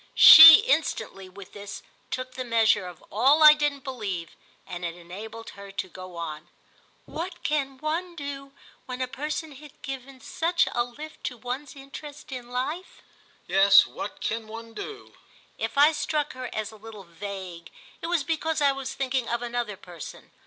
She instantly, with this, took the measure of all I didn't believe, and it enabled her to go on: "What can one do when a person has given such a lift to one's interest in life?" "Yes, what can one do?" If I struck her as a little vague it was because I was thinking of another person.